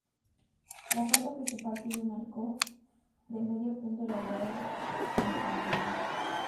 La puerta principal tiene un arco de medio punto elaborado en cantería.